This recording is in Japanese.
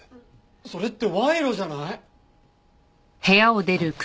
それって賄賂じゃない？